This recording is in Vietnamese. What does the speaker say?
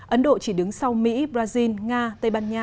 ấn độ chỉ đứng sau mỹ brazil nga tây ban nha